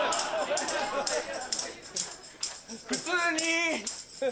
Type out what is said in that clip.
普通に。